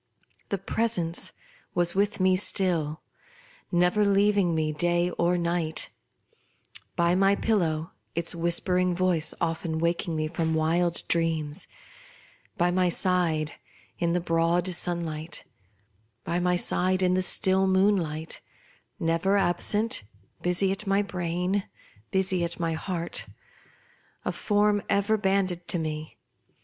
The Presence was with me still, never leaving me day or night : by my pillow, its whispering voice often waking me from wild dreams ; by my side in the broad sunlight ; by my side in the still moonlight ; never absent, busy at my brain, busy at my heart — a form ever banded to me.